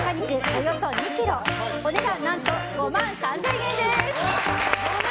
およそ２ｋｇお値段何と５万３０００円です。